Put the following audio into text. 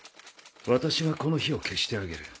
「私がこの火を消してあげる。